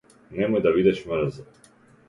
Немој да бидеш мрза.